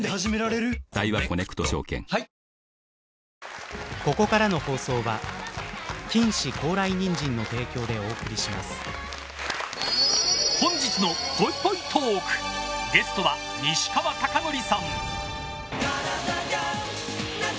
誕生本日のぽいぽいトークゲストは西川貴教さん。